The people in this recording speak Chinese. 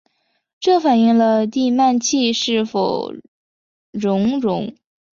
这反映了地幔楔是否熔融。